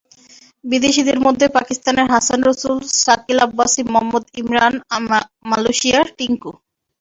বিদেশিদের মধ্যে পাকিস্তানের হাসান রসুল, শাকিল আব্বাসি, মোহাম্মদ ইমরান, মালয়েশিয়ার টিংকু।